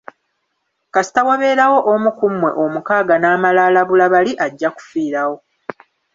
Kasita wabeerawo omu ku mmwe omukaaga n'amala alabula bali aja kufiirawo.